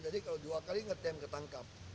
tadi kalau dua kali ngetem ketangkap